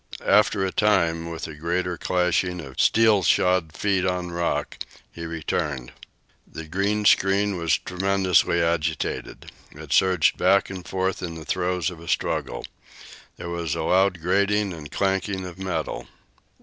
After a time, with a greater clashing of steel shod feet on rock, he returned. The green screen was tremendously agitated. It surged back and forth in the throes of a struggle. There was a loud grating and clanging of metal.